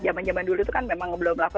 zaman zaman dulu itu kan memang belum apa